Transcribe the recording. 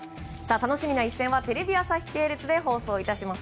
楽しみな一戦はテレビ朝日系列でお伝えいたします。